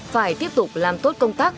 phải tiếp tục làm tốt công tác